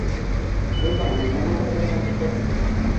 Уйлаған-уйлағандар ҙа һарыҡты...